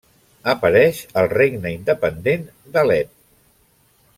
Apareix el regne independent d'Alep.